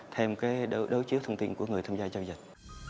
thêm cái đối chiếu thông tin của người tham gia giao dịch